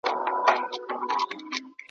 چي څوک ولویږي له واک او له قدرته ,